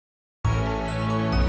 aku bisa jelasin semuanya sama kamu